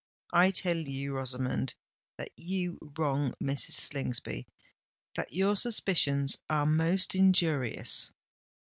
"I tell you, Rosamond, that you wrong Mrs. Slingsby—that your suspicions are most injurious!